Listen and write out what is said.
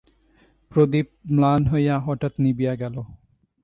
প্রদীপ ম্লান হইয়া হঠাৎ নিবিয়া গেল।